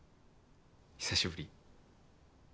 久しぶり。